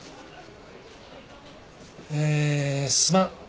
えーすまん。